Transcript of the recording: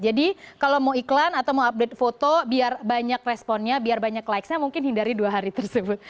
jadi kalau mau iklan atau mau update foto biar banyak responnya biar banyak likesnya mungkin hindari dua hari tersebut